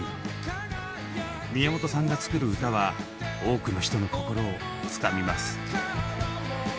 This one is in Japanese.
宮本さんが作る歌は多くの人の心をつかみます。